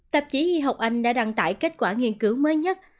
tạp chí y học anh đã đăng tải kết quả nghiên cứu mới nhất